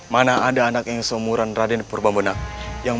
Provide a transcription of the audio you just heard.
mana ada anak yang seumuran raden purba menang